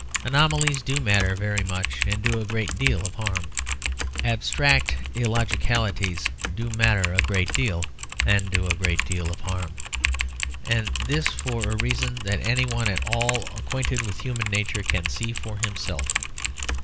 Anomalies do matter very much, and do a great deal of harm; abstract illogicalities do matter a great deal, and do a great deal of harm. And this for a reason that any one at all acquainted with human nature can see for himself.